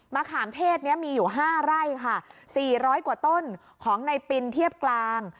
ขามเทศนี้มีอยู่๕ไร่ค่ะ๔๐๐กว่าต้นของในปินเทียบกลาง